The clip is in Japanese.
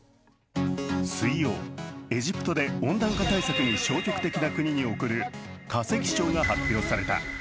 水曜、エジプトで温暖化対策に消極的な国に贈る化石賞が発表された。